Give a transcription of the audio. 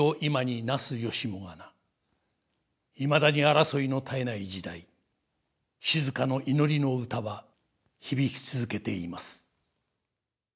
いまだに争いの絶えない時代静の祈りの歌は響き続けています。